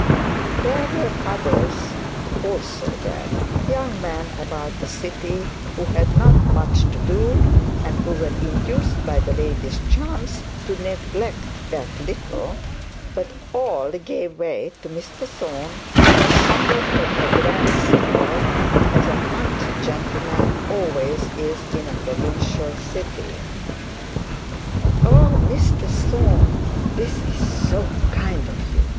There were others also there young men about the city who had not much to do, and who were induced by the lady's charms to neglect that little; but all gave way to Mr Thorne, who was somewhat of a grand signor, as a country gentleman always is in a provincial city. 'Oh, Mr Thorne, this is so kind of you!'